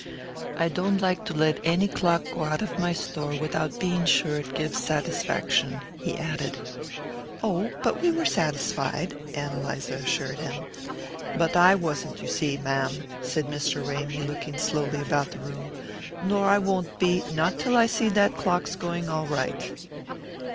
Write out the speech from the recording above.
"I don't like to led any clock go out of my store without being sure it gives satisfaction," he added. "Oh but we were satisfied," Ann Eliza assured him. "But I wasn't, you see, ma'am," said Mr. Ramy looking slowly about the room, "nor I won't be, not till I see that clock's going all right."